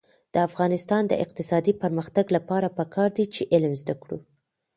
د افغانستان د اقتصادي پرمختګ لپاره پکار ده چې علم زده کړو.